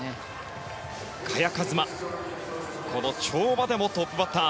萱和磨跳馬でもトップバッター。